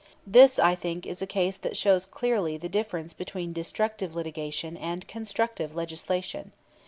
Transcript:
"This, I think, is a case that shows clearly the difference between destructive litigation and constructive legislation.